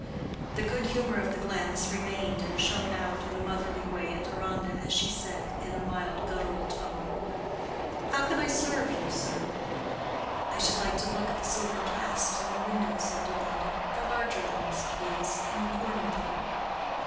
The good humor of the glance remained and shone out in a motherly way at Deronda, as she said, in a mild guttural tone, "How can I serve you, sir?" "I should like to look at the silver clasps in the window," said Deronda; "the larger ones, please, in the corner there."